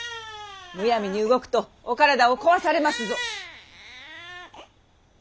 むやみに動くとお体を壊されますぞ！